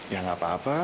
ya gak apa apa